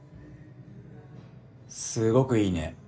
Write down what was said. すごくいいね。